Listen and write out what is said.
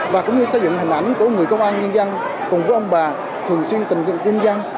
và cũng như xây dựng hình ảnh của người công an nhân dân cùng với ông bà thường xuyên tình nguyện quân dân